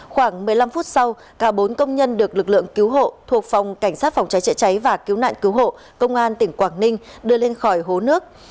khoảng một mươi năm phút sau cả bốn công nhân được lực lượng cứu hộ thuộc phòng cảnh sát phòng cháy chữa cháy và cứu nạn cứu hộ công an tỉnh quảng ninh đưa lên khỏi hố nước